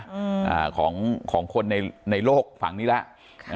อืมฮ่าของของคนในในโลกฝั่งนี้เลย